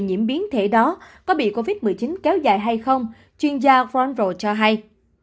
nhiễm biến thể đó có bị covid một mươi chín kéo dài hay không chuyên gia ron rowe cho hay